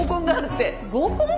合コン？